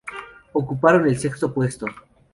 Ocuparon el sexto puesto.